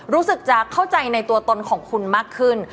รู้สึกจะเข้าใจในตัวตนของคุณมากขึ้น